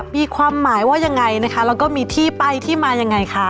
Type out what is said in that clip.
มีความหมายว่ายังไงนะคะแล้วก็มีที่ไปที่มายังไงคะ